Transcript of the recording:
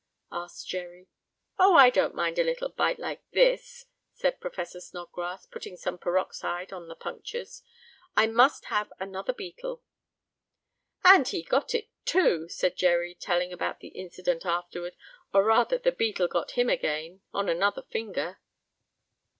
asked Jerry. "Oh, I don't mind a little bite like this," said Professor Snodgrass, putting some peroxide on the punctures. "I must have another beetle." "And he got it, too!" said Jerry, telling about the incident afterward, "or rather, the beetle got him again, on another finger."